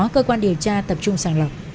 cơ quan điều tra tập trung sàng lọc